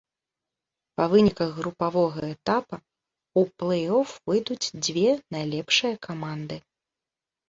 Па выніках групавога этапа ў плэй-оф выйдуць дзве найлепшыя каманды.